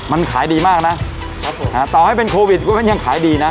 มันขายดีมากนะครับผมต่อให้เป็นโควิดก็ยังขายดีนะ